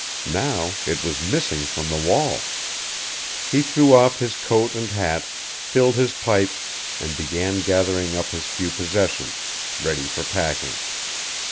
Now it was missing from the wall. He threw off his coat and hat, filled his pipe, and began gathering up his few possessions, ready for packing.